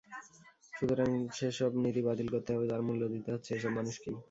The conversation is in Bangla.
সুতরাং, সেসব নীতি বাতিল করতে হবে, যার মূল্য দিতে হচ্ছে এসব মানুষকেই।